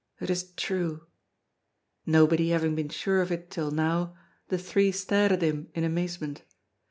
it is true!" Nobody having been sure of it till now, the three stared at him in amazement.